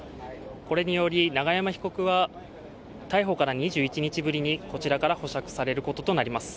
これにより、永山被告は逮捕から２１日ぶりにこちらから保釈されることとなります。